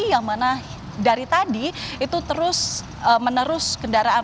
yang mana dari tadi itu terus menerus kendaraan